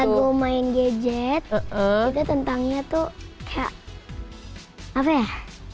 iya lagunya lagu main gejek gitu tentangnya tuh kayak apa ya